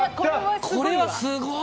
これはすごい！